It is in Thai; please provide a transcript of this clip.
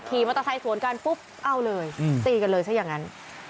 ขี่มอเตอร์ไซค์สวนกันปุ๊บเอาเลยตีกันเลยซะอย่างนั้น